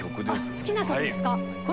好きな曲ですか。